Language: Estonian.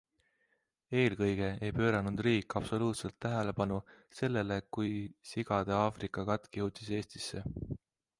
Eelkõige ei pööranud riik absoluutselt tähelepanu sellele, kui sigade Aafrika katk jõudis Eestisse.